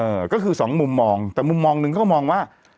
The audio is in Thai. เออก็คือสองมุมมองแต่มุมมองหนึ่งเขาก็มองว่า